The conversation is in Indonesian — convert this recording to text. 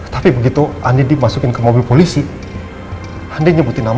tapi begitu andi dimasukin ke mobil polisi andi nyebutin nama